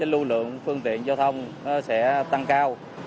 lưu lượng phương tiện giao thông sẽ tăng cao